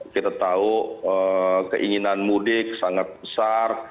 kita tahu keinginan mudik sangat besar